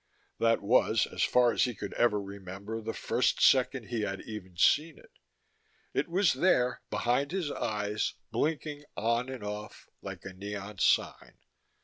That was, as far as he could ever remember, the first second he had even seen it. It was there, behind his eyes, blinking on and off, like a neon sign.